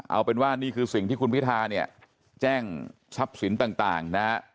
เอาเป็นว่านี่คือสิ่งที่คุณพิทาแจ้งชับสินต่างนะครับ